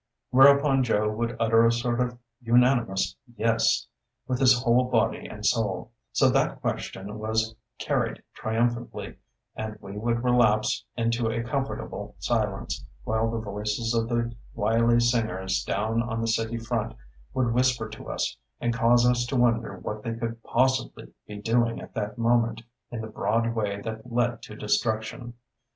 Whereupon Joe would utter a sort of unanimous Yes, with his whole body and soul; so that question was carried triumphantly, and we would relapse into a comfortable silence, while the voices of the wily singers down on the city front would whisper to us, and cause us to wonder what they could possibly be doing at that moment in the broad way that led to destruction.